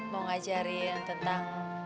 mau ngajarin tentang